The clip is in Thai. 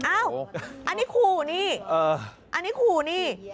อันนี้ขู่นี่อันนี้ขู่นี่